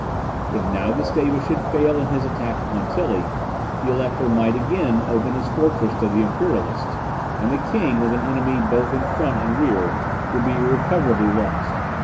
If now Gustavus should fail in his attack upon Tilly, the Elector might again open his fortresses to the Imperialists, and the king, with an enemy both in front and rear, would be irrecoverably lost.